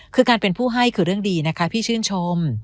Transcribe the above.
คือการเป็นผู้ให้คือเรื่องดีนะคะพี่ชื่นชม